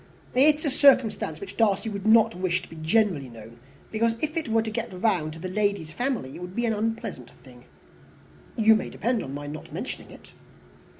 "It is a circumstance which Darcy of course could not wish to be generally known, because if it were to get round to the lady's family it would be an unpleasant thing." "You may depend upon my not mentioning it."